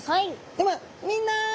ではみんな！